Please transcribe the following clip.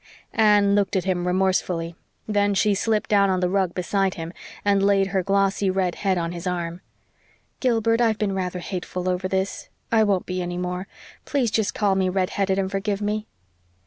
Anne looked at him remorsefully; then she slipped down on the rug beside him and laid her glossy red head on his arm. "Gilbert, I've been rather hateful over this. I won't be any more. Please just call me red headed and forgive me."